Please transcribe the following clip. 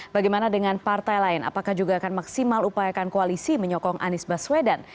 bagaimana dengan partai lain apakah juga akan maksimal upayakan koalisi menyokong anies baswedan